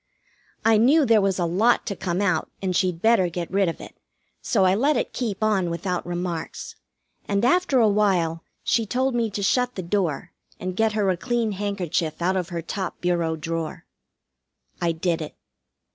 I knew there was a lot to come out and she'd better get rid of it, so I let it keep on without remarks, and after a while she told me to shut the door, and get her a clean handkerchief out of her top bureau drawer. I did it.